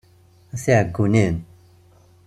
A tiɛeggunin!